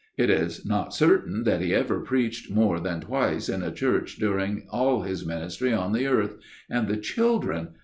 It is not certain that he ever preached more than twice in a church during all his ministry on the earth. And the children!